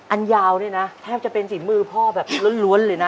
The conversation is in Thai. อันยาวนี่น่ะแทบจะเป็นสิบแบบมือพ่อแร้วเลยน่ะ